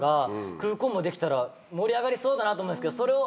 空港もできたら盛り上がりそうだなと思ったんですけどそれを。